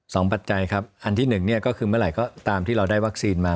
ปัจจัยครับอันที่หนึ่งเนี่ยก็คือเมื่อไหร่ก็ตามที่เราได้วัคซีนมา